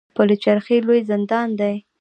پل چرخي لوی زندان دی